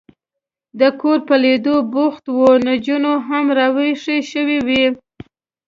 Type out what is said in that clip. د کور په لیدو بوخت و، نجونې هم را وېښې شوې وې.